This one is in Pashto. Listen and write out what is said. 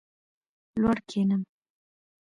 لوړ کښېنم.